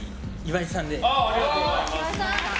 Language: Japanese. ありがとうございます。